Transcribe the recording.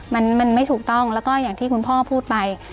มันไม่ถูกต้องแล้วก็อย่างที่คุณพ่อพูดไป